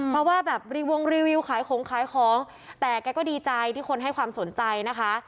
เพราะว่าแบบรีวงรีวิวขายของขายของแต่แกก็ดีใจที่คนให้ความสนใจนะคะ